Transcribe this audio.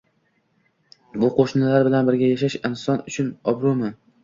Boy qo‘shnilar bilan birga yashash inson uchun obro‘mi?